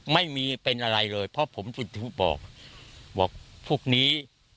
ไม่มีเป็นอะไรเลยเพราะผมถึงบอกบอกพวกนี้